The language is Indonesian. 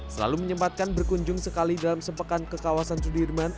selalu menyempatkan berkunjung sekali dalam sepekan ke kawasan sudirman